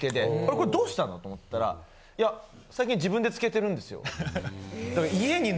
これどうしたの？と思ったら「いや最近自分で漬けてるんですよ」。